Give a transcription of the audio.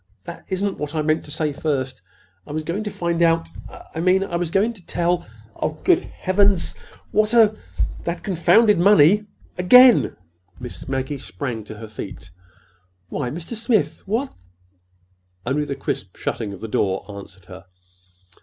That isn't what I meant to say first. I was going to find out—I mean, I was going to tell—Oh, good Heavens, what a—That confounded money—again!" Miss Maggie sprang to her feet. "Why, Mr. Smith, w what—" Only the crisp shutting of the door answered her.